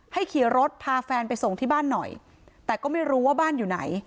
ขี่รถพาแฟนไปส่งที่บ้านหน่อยแต่ก็ไม่รู้ว่าบ้านอยู่ไหน